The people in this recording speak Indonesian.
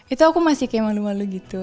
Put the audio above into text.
itu aku masih kayak malu malu gitu